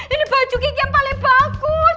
ini baju kiki yang paling bagus